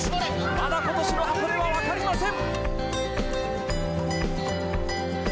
まだ今年の箱根はわかりません！